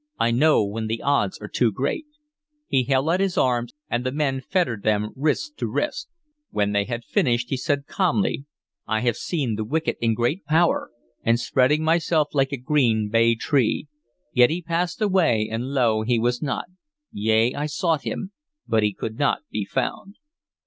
I know when the odds are too great." He held out his arms, and the men fettered them wrist to wrist. When they had finished he said calmly: "'I have seen the wicked in great power, and spreading himself like a green bay tree. Yet he passed away, and, lo, he was not: yea, I sought him, but he could not be found.'"